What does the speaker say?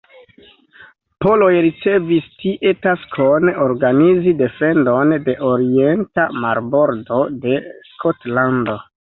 Poloj ricevis tie taskon organizi defendon de orienta marbordo de Skotlando.